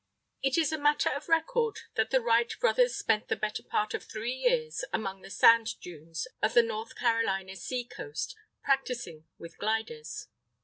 It is a matter of record that the Wright brothers spent the better part of three years among the sand dunes of the North Carolina sea coast practising with gliders.